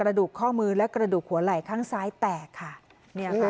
ดูกข้อมือและกระดูกหัวไหล่ข้างซ้ายแตกค่ะเนี่ยค่ะ